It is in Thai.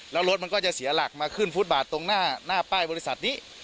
แล้วรถมันก็จะเสียหลักมาขึ้นฟุตบาทตรงหน้าป้ายบริษัทนี้